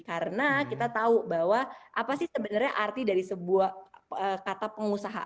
karena kita tahu bahwa apa sih sebenarnya arti dari sebuah kata pengusaha